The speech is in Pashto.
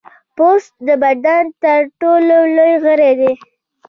پوست د بدن تر ټولو لوی غړی دی.